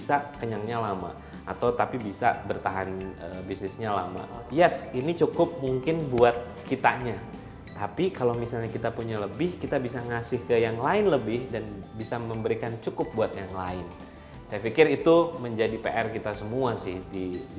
akhirnya kami mencoba mulai meriset